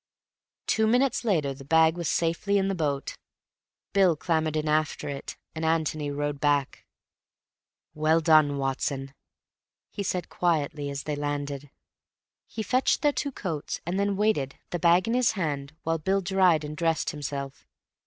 Two minutes later the bag was safely in the boat. Bill clambered in after it, and Antony rowed back. "Well done, Watson," he said quietly, as they landed. He fetched their two coats, and then waited, the bag in his hand, while Bill dried and dressed himself.